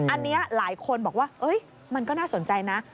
อันนี้หลายคนบอกว่ามันก็น่าสนใจนะ